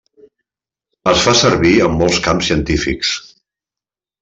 Es fa servir en molts camps científics.